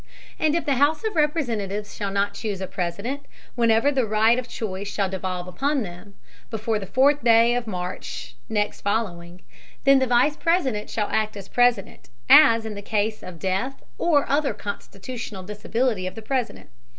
And if the House of Representatives shall not choose a President whenever the right of choice shall devolve upon them, before the fourth day of March next following, then the Vice President shall act as President, as in the case of the death or other constitutional disability of the President.